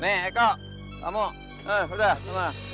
nih eko kamu udah udah